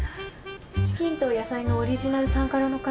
チキンと野菜のオリジナル３辛の方。